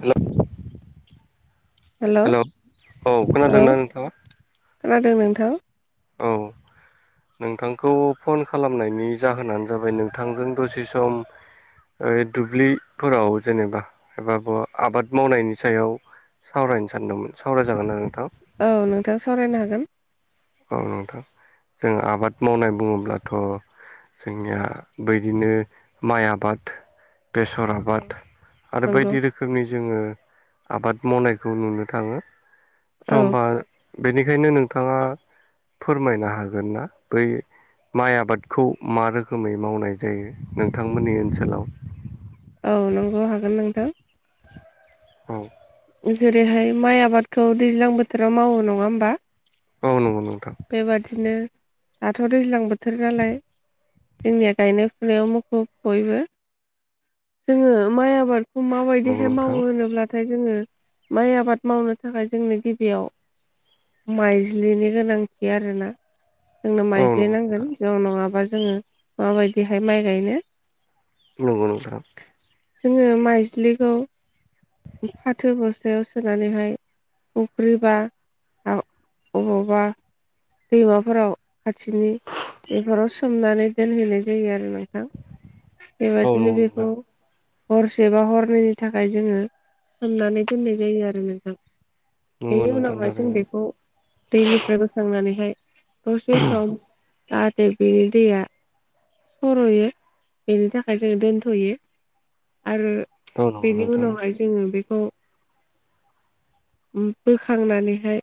हेल' हेल' औ औ खोनादोंना नोंथाङा खोनादों नोंथां। औ। नोंथांखौ फन खालामनायनि जाहोनानो जाबाय नोंथांजों दसे सम ओ दुब्लिफोराव जेनेबा एबाबो आबाद मावनायनि सायाव सावरायनो सानदोंमोन सावरायजागोनना नोंथां? औ नोंथां सावरायनो हागोन। औ नोंथां जों आबाद मावनाय बुङोब्लाथ' जोंनिया बैदिनो माइ आबाद बेसर औ आबाद आरो नंगौ बायदि रोखोम रोखोमनि जोङो आबाद मावनायखौ नुनो थाङो औ सम बार बेनिखायनो नोंथाङा फोरमायनो हागोन ना बै माइ आबादखौ मा रोखोमै मावनाय जायो नोंथांमोननि ओनसोलाव। औ नंगौ हागोन नोंथां। औ। जेरैहाय माइ आबादखौ दैज्लां बोथोराव मावो नङा होमबा। औ नंगौ नोंथां। बेबादिनो दाथ' दैज्लां बोथोर नालाय जोंनिया गायनाय फुनायाव मुखुब बयबो जोङो माइ आबाद नंगौ माबायदिहाय नोंथां मावो होनोब्लाथाय जोङो माइ आबाद मावनो थाखाय जोंनो गिबियाव माइज्लिनि गोनांथि आरोना जोंनो औ माइज्लि नंगौ नोंथां नांगोन जों नङाबा जोङो माबायदिहाय माइ गायनो नंगौ नोंथां। जोङो माइज्लिखौ फाथो बस्थायायाव सोनानै हाय अफ्रि बा औ अबावबा दैमाफोराव खाथिनि एफोराव सोमनानै दोनहैनाय जायो आरो नोंथां। औ नंगौ बेबादिनो बेखौ नोंथां हरसे बा हरनैनि थाखाय जोङो सोमनानै दोननाय जायो आरो नोंथां नंगौ बेनि नोंथां उनावहाय जों थारैनो बेखौ दैनिफ्राय बोखांनानैहाय दसे सम जाहाथे बेनि दैया सर'यो बेनि थाखाय जों दोनथ'यो आरो औ नंगौ बेनि नोंथां उनावहाय जोङो बेखौ बोखांनानैहाय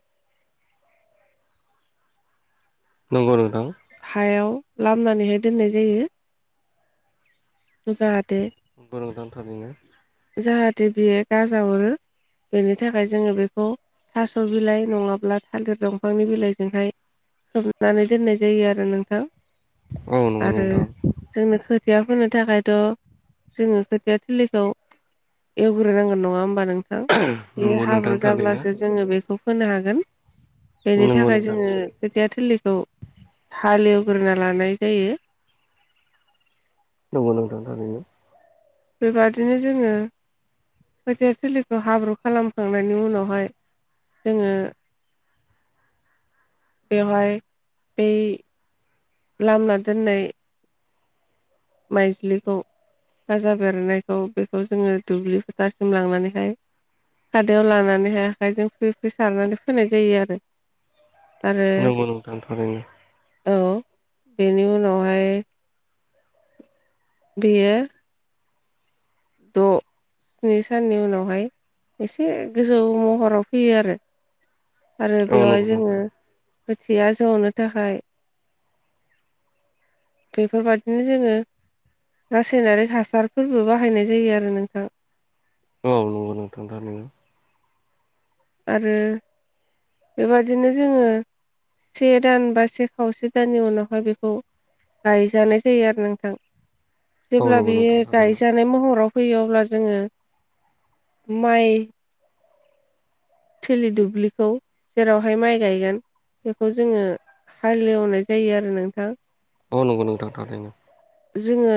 नंगौ नोंथां। हायाव लामनानैहाय दोननाय जायो। जाहाथे नंगौ नोंथां थारैनो [unintelligible] जाहाथे बियो गाजा हरो। बेनि थाखाय जोङो बेखौ थास'बिलाइ नङाब्ला थालिर दंफांनि बिलाइजोंहाय खोबनानै दोननाय जायो आरो नोंथां औ नंगौ आरो नोंथां जोंनो खो -थिया फोनो थाखायथ' जोङो खोथिया थिलिखौ एवग्रोनांगोन नङा होमबा नोंथां बे नंगौ हाब्रु नोंथां थारैनो जाब्लासो जोङो बेखौ फोनो हागोन बेनि नंगौ थाखाय नोंथां जोङो खोथिया थिलिखौ हालएवग्रोना लानाय जायो। नंगौ नोंथां थारैनो। बेबादिनो जोङो खोथिया थिलिखौ हाब्रु खालामखांनायनि उनावहाय जोङो बेवहाय बै लामना दोननाय माइज्लिखौ गाजा बेरनायखौ बेखौ जोङो दुब्लि फोथारसिम लांनानैहाय खादायाव लानानैहाय आखायजों फ्रि फ्रि सारनानै फोनाय जायो आरो। आरो नंगौ नोंथां थारैनो। औ बेनि उनावहाय बेयो द' स्नि साननि उनावहाय एसे गोजौ महराव फैयो आरो। आरो औ नंगौ बेवहाय जोङो नोंथां खोथिया जौनो थाखाय बेफोरबायाददिनो जोङो रासायनारि हासारफोरबो बाहायनाय जायो आरो नोंथां। औ नंगौ नोंथां थारैनो। आरो बेबादिनो जोङो से दान बा से खावसे दाननि उनावहाय बेखौ गायजानाय जायो आरो औ जेब्ला नंगौ नोंथां थारैनो गायजा हानाय महराव फैयो अब्ला जोङो माइ थिलि दुब्लिखौ जेरावहाय माइ गायगोन बेखौ जोङो हालेवनाय जायो आरो नोंथां औ नंगौ नोंथांरैनो जोङो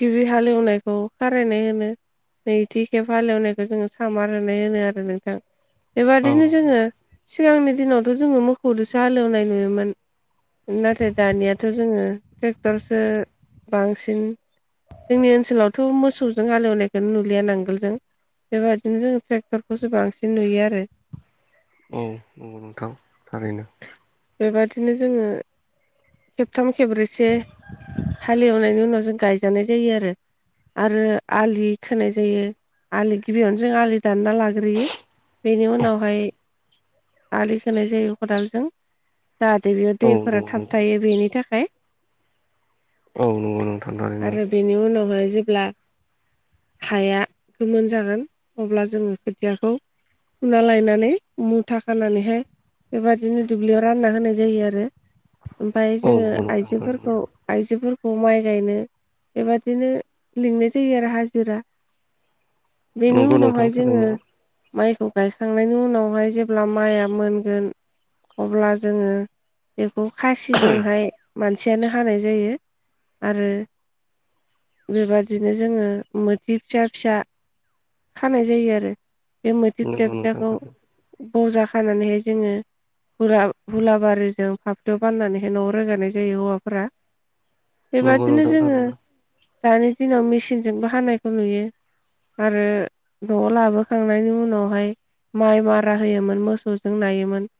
गिबि हालेवनायखौ खारायनाय होनो। नैथिखेब हालेवनायखौ जोङो सामार होनाय होनो आरो नोंथां औ बेबादिनो नंगौ जोङो। सिगांनि दिनावथ' जोङो मोसौजोंसो हालेवनाय नुयोमोन। नाथाय दानियाथ' जोङो ट्रेक्टरसो बांसिन जोंनि ओनसोलावथ' मोसौजों हालेवनायखौनो नुलिया नांगोल जों बेबायदिनो जों [inaudible] खौसो बांसिन नुयो आरो औ नंगौ नोंथां थारैनो बेबादिनो जोङो खेबथाम खेब्रैसे हालेवनायनि उनाव जों गायजानाय जायो आरो आरो आलि खोनाय जायो आलि गिबियावनो जों आलि दानना लाग्रोयो बेनि उनावहाय आलि खाय जायो खदालजों जाहाथे बेयाव औ दैफोरा नंगौ थाबथायायो बेनि थाखाय औ नंगौ नोंथां थारैनो आरो बेनि उनावहाय जेब्ला हाया गोमोन जागोन अब्ला जोङो खोथियाखौ फुना लायनानै मुथा खानानैहाय बेबदिनो दुब्लियाव रानना होनाय जायो आरो ओमफ्राय औ जोङो नंगौ नोंथां थारैनो आइजोफोरखौ आइजोफोरखौ माइ गायनो बेबादिनो लिंनाय जायो आरो हाजिरा [inaudible] बेनि उनावहाय जोङो माइखौ गायखांनायनि उनावहाय जेब्ला माइआ मोनगोन अब्ला जोङो बेखौ खासिजोंहाय मानसियानो हानाय जायो आरो मोथि फिसा फिसा खानाय जायो आरो बे मोदो फिसा नोंथां फिसाखौ थारैनो बजा खानानैहाय जोङो हुला हुलाबारिजों फाफ्लियाव बाननानैहाय न'आव रोगारनाय जायो हौवाफोरा नंगौ बेबादिनो नोंथां जोङो थारैनो दानि दिनाव मेसिनजोंबो हानायखौ नुयो आरो न' लाबोखांनायनि उनावहाय माइ मारा होयोमोन मोसौजों नायोमोन।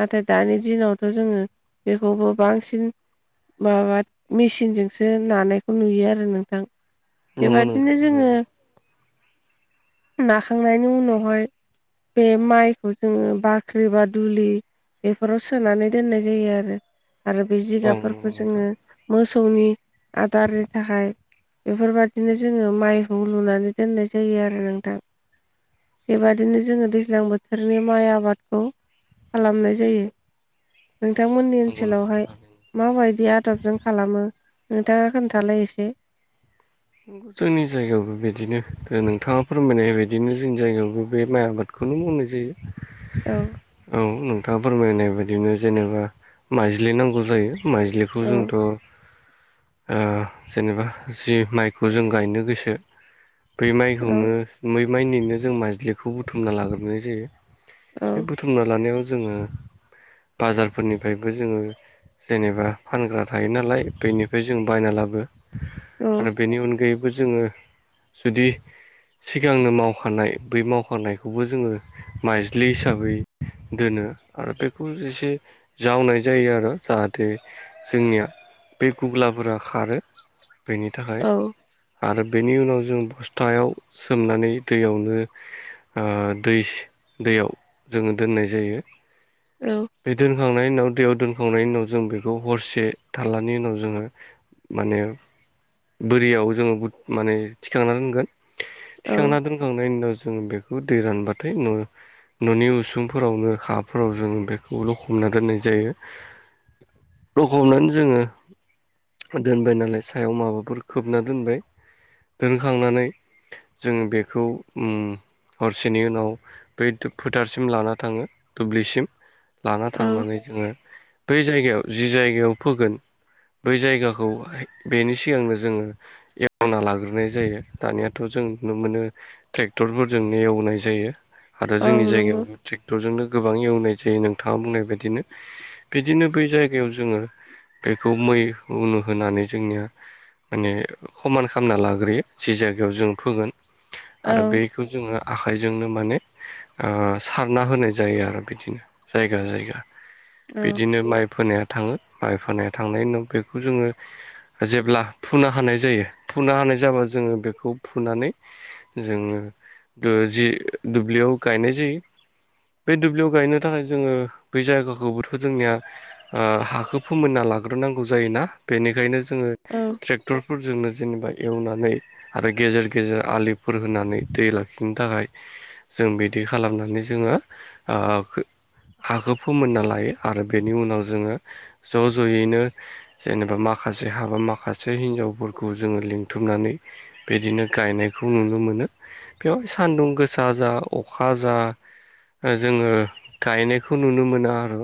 नाथाय दानि दिनावथ' जोङो बेखौबो बांसिन माबा मेचिनजोंसो नानायखौ नुयो आरो नोंथां नंगौ नोंथां थारैनो नंगौ नोंथां बेबादिनो जोङो। थारैनो नाखांनायनि उनावहाय बे माइखौ जोङो बाख्रि बा दुलि बेफोराव सोनानै दोननाय जायो आरो आरो बे औ नंगौ जिगाबफोरखौ नोंथां जोङो मोसौनि आदारनि थाखाय बेफोरबायदिनो जोङो माइखौ लुनानै दोननाय जायो आरो नोंथां बेबायदिनो जोङो दैज्लां बोथोरनि माइ आबादखौ खालामनाय जायो नोंथांमोनि नंगौ नोंथां ओनसोलावहाय थारैनो माबायदि आदबजों खालामो नोंथाङा खोन्थालाय एसे जोंनि जायगायावबो बिदिनो नोंथाङा फोरमायनाय बिदिनो जोंनि जायगायावबो बे माइ आबादखौनो मावनाय जायो। औ औ नोंथाङा फोरमायनाय बायदिनो जेनेबा माइज्लि नांगौ जायो माइज्लिखौ बे औ जोंथ' जेनेबा जि माइ खौ जों गायनो गोसो बै औ माइखौनो मै माइनिनो जों माजज्लिखौ बुथुमना लाग्रोनाय जायो। बे बुथुमना लानायाव जोङो बाजारफोरनिफ्रायबो जोङो। जेनेबा फानग्रा थायो नालाय बेनिफ्राय जों बायना लाबो औ आरो बेनि अनगायैबो जोङो जुदि सिगांनो मावखानाय बै मावखानायखौबो जोङो माइज्लि हिसाबै दोनो आरो बेखौ एसे जावनाय जायो आरो जाहाथे जोंनिया बे गुग्लाफोरा खारो बेनि थाखाय औ आरो बेनि उनाव जों बस्थायाव सोमनानै दैयावनो दै दैयाव जोङो दोननाय जायो औ बे दोनखांनायनि उनाव दैयाव दोनखांनायनि उनाव जों बेखौ हरसे थालानि उनाव जोङो माने बोरियाव जोङो माने थिखांना दोनगोन औ थिखांना दोनखांनायनि उनाव जों बेखौ दै रानबाथाय न'नि उसुंफोरावनो हाफोराव जों बेखौ लखबना दोननाय जायो लखबनानै जोङो दोनबाय नालाय सायाव माबाफोर खोबना दोनबाय दोनखांनानै जोङो बेखौ हरसेनि उनाव बै फोथारसिम लाना थाङो दुब्लिसिम लाना औ थांनानै जोङो बै जायगायाव जि जायगायाव फोगोन बै जायगाखौ बेनि सिगांनो जोङो हेवना लाग्रोनाय जायो दानियाथ' जों नुनो मोनो ट्रेक्टरफोरजोंनो एवनाय जायो आरो औ जोंनि नंगौ जायगायावबो ट्रेक्टरजोंनो गोबां एवनाय जायो नोंथाङा बुंनाय बायदिनो बिदिनो बै जायगायाव जोङो बेखौ मै उनु होनानै जोंनिया माने खमान खालामना लाग्रोयो जि जायगायाव जों फोगोन औ आरो बे बेखौ जोङो आखाइजोंनो माने ओ सारना होनाय जायो आरो बिदिनो जायगा जायगा औ बिदिनो माइ फोनाया थाङो माइ [unintelligible] थांनायनि उनाव बेखौ जोङो जेब्ला फुनो हानाय जायो फुनो हानाय जाबा जोङो बेखौ फुनानै जोङो दु जि दुब्लियाव गायनाय जायो बे दुब्लियाव गायनो थाखाय जोङो बै जायगाखौबोथ' जोंनिया ओ हाखौ फोमोनना लाग्रोनांगौ जायोना बेनिखायनो जोङो औ ट्रेक्टरफोरजोंनो जेनेबा एवनानै आरो गेजेर गेजेर आलिफोर होनानै दै लाखिनो थाखाय जों बिदि खालामनानै जोङो ओ हाखौ फोमोनना लायो आरो बेनि उनाव जोङो ज' ज'यैनो जेनेबा माखासे हाबा माखासे हिनजावफोरखौ जोङो लिंथुमनानै बिदिनो गायनायखौ नुनो मोनो बेवहाय सान्दुं गोसा जा अखा जा ओ जोङो थाहैनायखौ नुनो मोना आर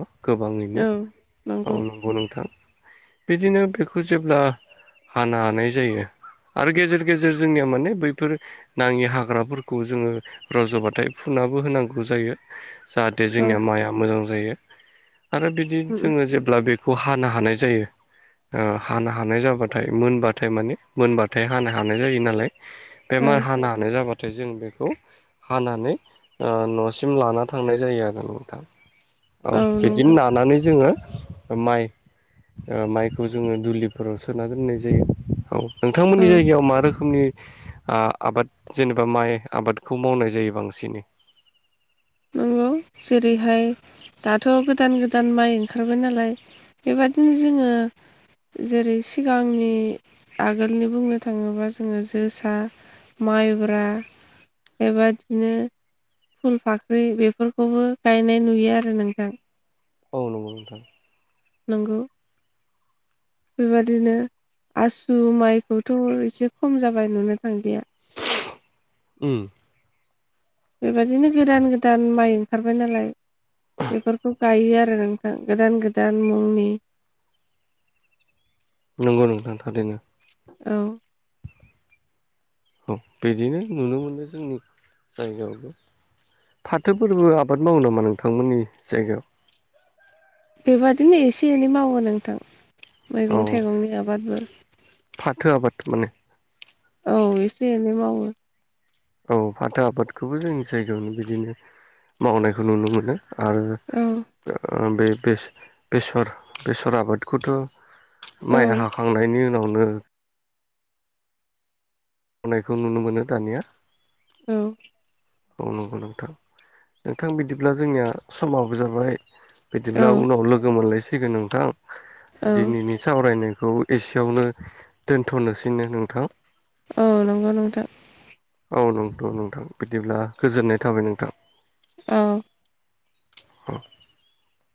औ गोबाङैनो औ नंगौ नोंथां बिदिनो बेखौ जेब्ला हानो हानाय जायो आरो गेजेर गेजेर जोंनिया माने बैफोर नाङि हाग्राफोरखौ जोङो रज'बाथाय फुनाबो होनांगौ जायो जाहा थे औ जोंनिया माइआ मोजां जायो आरो बिदि उम जोङो जेब्ला बेखौ हानो हानाय जायो ओ हानो हानाय जाबाथाय मोनबाथाय माने मोनबाथाय हानो हानाय जायो नालाय बे औ माइ हानो हानाय जाबा नाथाय जों बेखौ हानानै ओ न'सिम लाना थांनाय जायो आ औ नोंथां औ बिदिनो नानानै जोङो माइ ओ माइखौ जोङो दुलिफोराव सोना दोननाय जायो औ। औ नोंथांमोननि जायगायाव मा रोखोमनि आ आबाद जेनेबा माइ आबादखौ मावनाय जायो बांसिनै? [unintelligible] जेरैहाय दाथ' गोदान गोदान माइ ओंखारबाय नालाय बेबादिनो जोङो जेरै सिगांनि आगोलनि बुंनो थाङोबा जोङो जोसा माइब्रा, बेबादिनो फुल फाख्रि बेफोर खौबो गायनाय नुयो आरो नोंथां। औ नंगौ नोंथां। नंगौ बेबादिनो आसु माइखौथ' एसे खम जाबाय नुनो थांदिया। उम बेबायदिनो गोदान-गोदान माइ ओंखारबाय नालाय। बेफोरखौ गायो आरो नोंथां गोदान-गोदान मुंनि नंगौ नोंथां थारैनो। औ [inaudible] औ बिदिनो नुनो मोनो जोंनि जायगायावबो। फाथोफोरबो आबाद मावो नामा नोंथांमोननि जायगायाव? बे बादिनो एसे एनै मावो नोंथां औ मैगं थाइगंनि आबादबो। फाथो आबाद माने? औ एसे एनै मावो। औ फाथो आबादखौबो जोंनि जायगायावनो बिदिनो मावनायखौ नुनो मोनो आरो औ। बे बेसर बेसर आबादखौथ' औ माइ हाखांनायनि उनावनो मावनायखौ नुनो मोनो दानिया। औ। औ नोंथां नोंथां बिदिब्ला समाबो जाबाय। बिदिब्ला औ उनाव लोगो मोनलायसिगोन नोंथां औ दिनैनि सावरायनायखौ एसेयावनो दोनथ'नोसैनो नोंथां? औ नंगौ नोंथां। औ नंगौथ नोंथां बिदिब्ला गोजोननाय थाबाय नोंथां। औ। [inaudible]